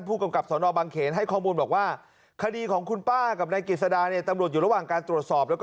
แล้วก็ชูใหม่ขึ้นมาเหมือนกับว่าประจานแล้วทำให้พวกเราอาภาย